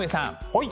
はい。